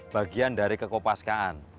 bagian dari kekopaskaan